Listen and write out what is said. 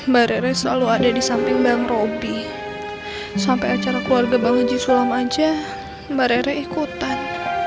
barere selalu ada di samping bang robby sampai acara keluarga bang haji sulam aja barere ikutan